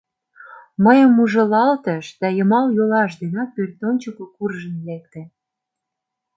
Мыйым ужылалтыш да йымал йолаш денак пӧртӧнчыкӧ куржын лекте.